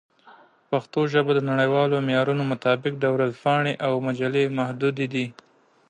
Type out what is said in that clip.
په پښتو ژبه د نړیوالو معیارونو مطابق ورځپاڼې او مجلې محدودې دي.